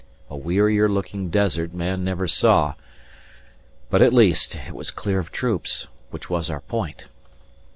A wearier looking desert man never saw; but at least it was clear of troops, which was our point.